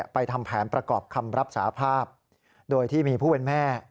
ทำแผนประกอบคำรับสาภาพโดยที่มีผู้เป็นแม่